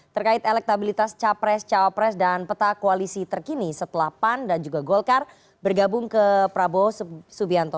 terkait elektabilitas capres cawapres dan peta koalisi terkini setelah pan dan juga golkar bergabung ke prabowo subianto